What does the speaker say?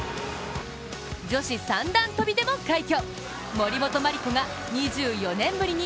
女子三段跳びでも快挙。